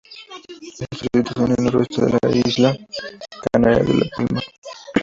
Está situado en el noreste de la isla canaria de La Palma.